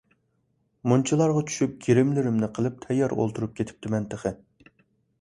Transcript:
مۇنچىلارغا چۈشۈپ، گىرىملىرىمنى قىلىپ تەييار ئولتۇرۇپ كېتىپتىمەن تېخى.